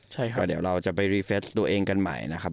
เดี๋ยวเราจะไปรีเฟสต์ตัวเองกันใหม่นะครับ